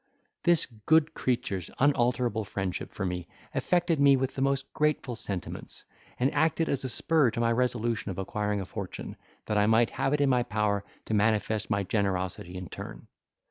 This good creature's unalterable friendship for me affected me with the most grateful sentiments, and acted as a spur to my resolution of acquiring a fortune, that I might have it in my power to manifest my generosity in my turn.